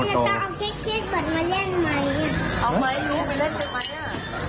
พี่คุณก็เอาเก็ตเก็ตมาเล่นไหม